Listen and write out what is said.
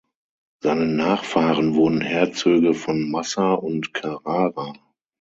Seine Nachfahren wurden Herzöge von Massa und Carrara.